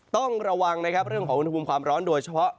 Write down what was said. ต้องระวังนะครับเรื่องของอุณหภูมิความร้อนโดยเฉพาะ